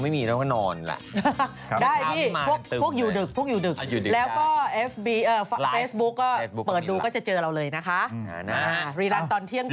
สนับสนุนโดยดีที่สุดคือการให้ไม่สิ้นสุด